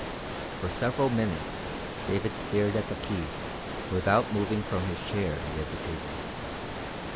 For several minutes David stared at the key without moving from his chair near the table.